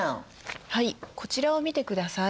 はいこちらを見てください。